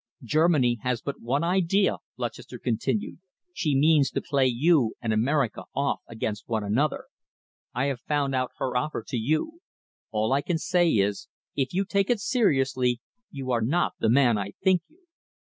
"Germany has but one idea," Lutchester continued. "She means to play you and America off against one another. I have found out her offer to you. All I can say is, if you take it seriously you are not the man I think you.